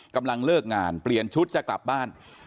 กำลังเลิกงานเปลี่ยนชุดจะกลับบ้าน